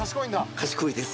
賢いです。